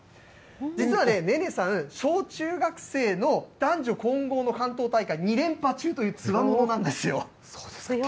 実はね、ねねさん、小中学生の男女混合の関東大会、２連覇中という、つわものなんですよ。